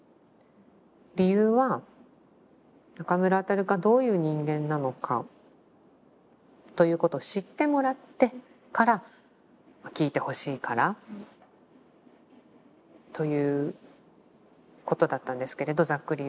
理由は中村中がどういう人間なのかということを知ってもらってから聴いてほしいからということだったんですけれどざっくり言うと。